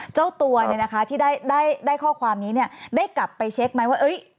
เจ้าตัวที่ได้ข้อความนี้ได้กลับไปเช็คไหมว่า